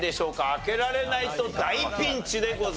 開けられないと大ピンチでございます。